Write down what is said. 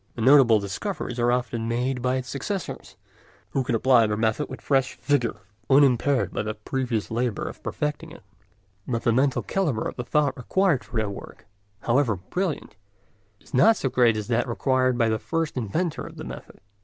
The notable discoveries are often made by his successors, who can apply the method with fresh vigour, unimpaired by the previous labour of perfecting it; but the mental calibre of the thought required for their work, however brilliant, is not so great as that required by the first inventor of the method.